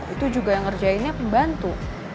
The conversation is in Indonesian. itu juga yang ngerjainnya pembantu